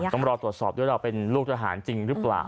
ต้องรอตรวจสอบด้วยเราเป็นลูกทหารจริงหรือเปล่า